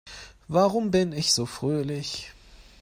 Warum bin ich so fröhlich?